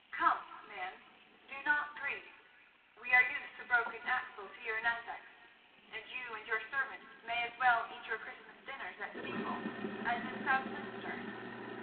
"Come, man, do not grieve; we are used to broken axles here in Essex, and you and your servant may as well eat your Christmas dinners at Steeple as in Southminster."